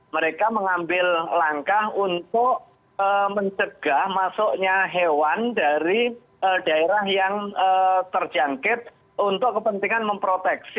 mereka mengambil langkah untuk mencegah masuknya hewan dari daerah yang terjangkit untuk kepentingan memproteksi